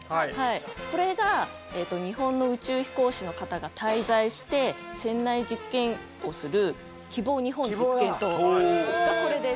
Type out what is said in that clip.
これが日本の宇宙飛行士の方が滞在して船内実験をするきぼう、日本実験棟。